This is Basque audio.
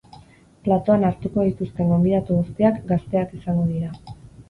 Platoan hartuko dituzten gonbidatu guztiak gazteak izango dira.